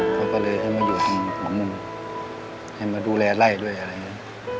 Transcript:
เขาก็เลยให้มาอยู่ทางหัวมุมให้มาดูแลไล่ด้วยอะไรอย่างนี้